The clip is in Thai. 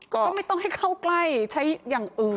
ก็ไม่ต้องให้เข้าใกล้ใช้อย่างอื่น